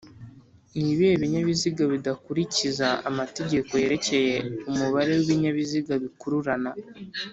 ni bihe binyabiziga bidakurikiza amategeko yerekeye Umubare w’ibinyabiziga bikururana